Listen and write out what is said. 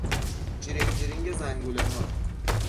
جرینگ جرینگ زنگولهها